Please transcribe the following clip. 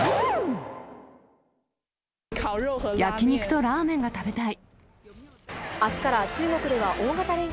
焼き肉とラーメンが食べたい。